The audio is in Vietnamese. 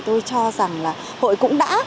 tôi cho rằng là hội cũng đã